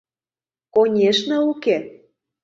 — Конешне, уке.